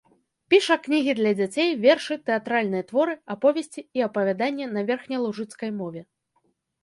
Піша кнігі для дзяцей, вершы, тэатральныя творы, аповесці і апавяданні на верхнялужыцкай мове.